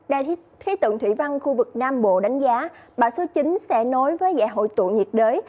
đài khí tượng thủy văn khu vực nam bộ đánh giá bão số chín sẽ nối với giải hội tụ nhiệt đới